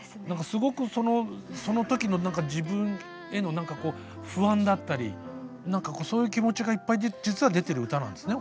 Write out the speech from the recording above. すごくその時の何か自分への何かこう不安だったり何かそういう気持ちがいっぱい実は出てる歌なんですね。